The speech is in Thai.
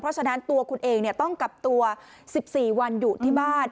เพราะฉะนั้นตัวคุณเองต้องกักตัว๑๔วันอยู่ที่บ้าน